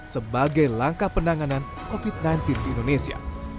sebagai langkah penanganan covid sembilan belas di indonesia